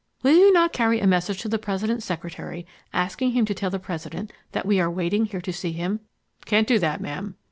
"Will you not carry a message to the President's Secretary asking him to tell the President that we are here waiting to see him?" "Can't do that, Ma'am."